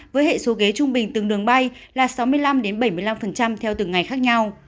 với hệ số ghế trung bình từng đường bay là sáu mươi năm bảy mươi năm theo từng ngày khác nhau